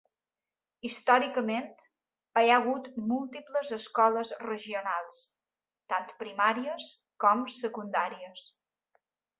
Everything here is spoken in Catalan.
Històricament, hi ha hagut múltiples escoles regionals, tant primàries com secundàries.